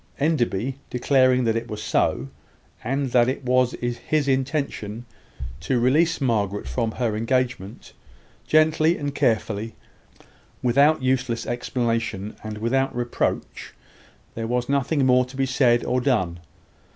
Enderby declaring that it was so, and that it was his intention to release Margaret from her engagement, gently and carefully, without useless explanation and without reproach, there was nothing more to be said or done.